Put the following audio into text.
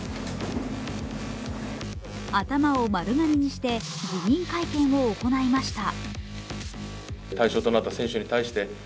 頭を丸刈りにして、辞任会見を行いました。